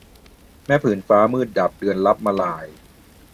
แม้ผืนฟ้ามืดดับเดือนลับมลาย